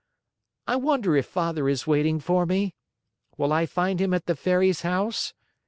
I wonder if Father is waiting for me. Will I find him at the Fairy's house?